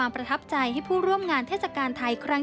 ไปดูบรรยากาศกันหน่อย